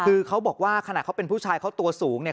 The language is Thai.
คือเขาบอกว่าขณะเขาเป็นผู้ชายเขาตัวสูงเนี่ย